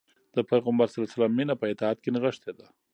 د پيغمبر ﷺ مینه په اطاعت کې نغښتې ده.